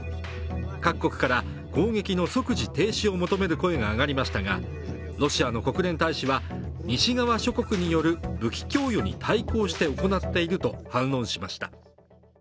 各国から攻撃の即時停止を求める声が上がりましたがロシアの国連大使は西側諸国による武器供与に対抗して行っていると反論しました。